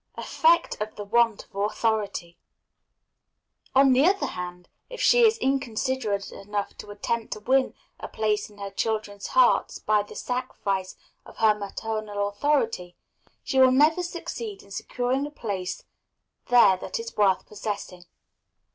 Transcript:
Effect of the Want of Authority. On the other hand, if she is inconsiderate enough to attempt to win a place in her children's hearts by the sacrifice of her maternal authority, she will never succeed in securing a place there that is worth possessing.